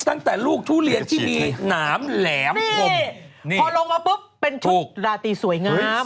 ตั้งแต่ลูกทุเรียนที่มีหนามแหลมคมพอลงมาปุ๊บเป็นชุดราตรีสวยงาม